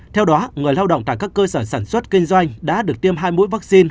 theo đó người lao động tại các cơ sở sản xuất kinh doanh đã được tiêm hai mũi vaccine